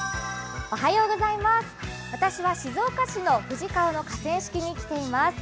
私は静岡市の富士川の河川敷にしています。